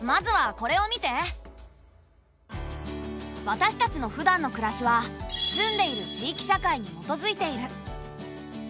私たちのふだんの暮らしは住んでいる地域社会に基づいている。